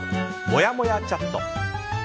もやもやチャット。